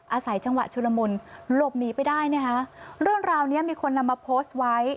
อาศัยจังหวะชุลมุนหลบหนีไปได้นะคะเรื่องราวเนี้ยมีคนนำมาโพสต์ไว้